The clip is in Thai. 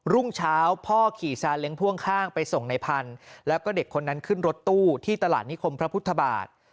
รุ่งเช้าพ่อขี่ซาเล้งพ่วงข้างไปส่งในพันธุ์แล้วก็เด็กคนนั้นขึ้นรถตู้ที่ตลาดนิคมพระพุทธบาท